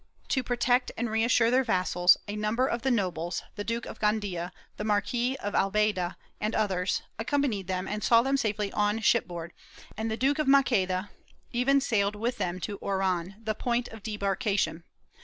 To protect and reassure their vassals, a number of the nobles — the Duke of Gandia, the Marquis of Albaida and others — accompanied them and saw them safely on shipboard, and the Duke of Maqueda even sailed wdth them to Oran, the point of debarkation.